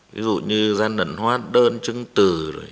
ví dụ như gian đẩn hóa đơn chứng từ